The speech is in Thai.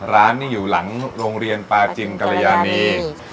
ร้านนี้อยู่หลังโรงเรียนปาจิงกรยานี